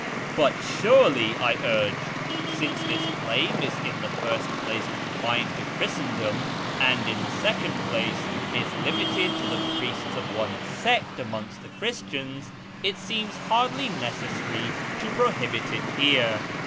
" But surely," I urged, " since this claim is in the first place confined to Christendom, and in the second place is limited to the priests of one sect amongst the Christians, it seems hardly necessary to prohibit it here."